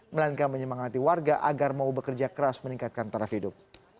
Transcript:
melainkan menyemangati warga agar mau bekerja keras meningkatkan taraf hidup